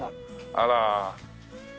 あら。